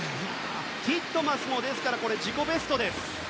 ティットマスもですから、自己ベストです。